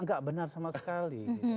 enggak benar sama sekali